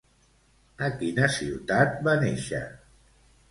A quina ciutat va néixer?